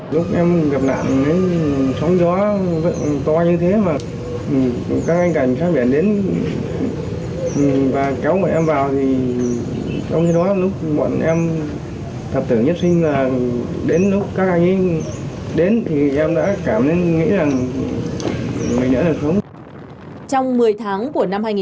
lúc em gặp nạn sóng gió vẫn to như thế mà các anh cảnh sát biển đến và kéo mọi em vào thì trong khi đó lúc bọn em thập tưởng nhất sinh là đến lúc các anh ấy đến thì em đã cảm nhận nghĩ rằng mình đã được sống